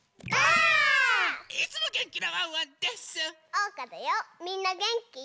おうかだよみんなげんき？